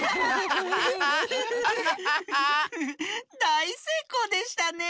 だいせいこうでしたね。